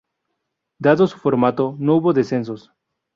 Dado su formato, no hubo descensos.